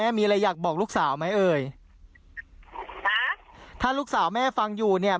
มีอะไรอยากบอกลูกสาวไหมเอ่ยถ้าลูกสาวแม่ฟังอยู่เนี่ย